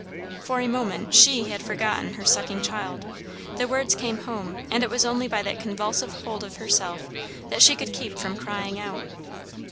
For a moment she had "forgotten her sucking child," the words came home; and it was only by that convulsive hold of herself that she could keep from crying out.